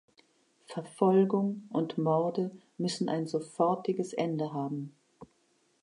Verfolgung und Morde müssen ein sofortiges Ende haben!